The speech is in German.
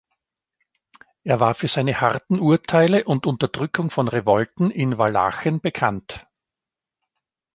Er war für seine harten Urteile und Unterdrückung von Revolten in Walachen bekannt.